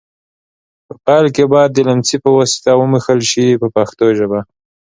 په پیل کې باید د لمڅي په واسطه ومږل شي په پښتو ژبه.